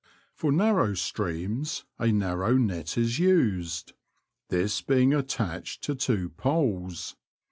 For narrow streams, a narrow net is used, this being attached to two poles.